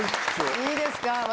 いいですか？